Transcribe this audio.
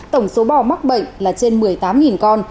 tổng số bò mắc bệnh là trên một mươi tám con